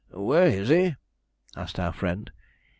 'Where is he?' asked our friend.